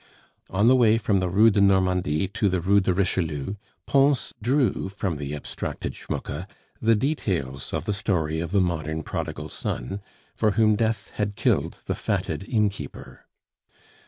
On the way from the Rue de Normandie to the Rue de Richelieu, Pons drew from the abstracted Schmucke the details of the story of the modern prodigal son, for whom Death had killed the fatted innkeeper.